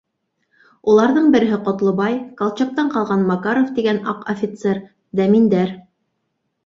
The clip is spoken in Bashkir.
Уларҙың береһе Ҡотлобай, Колчактан ҡалған Макаров тигән аҡ офицер, Дәминдәр.